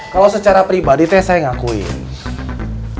kalau secara pribadi teh saya ngakuin